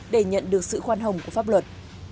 để nhận được sự khoan hồng của pháp luật